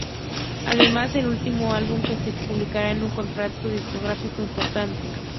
Además, el último álbum que se publicará en un contrato discográfico importante.